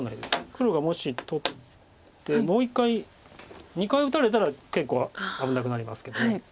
黒がもし取ってもう１回２回打たれたら結構危なくなりますけど。